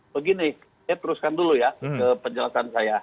begini saya teruskan dulu ya ke penjelasan saya